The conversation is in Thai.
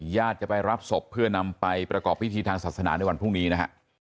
จะไปรับศพเพื่อนำไปประกอบพิธีทางศาสนาในวันพรุ่งนี้นะฮะ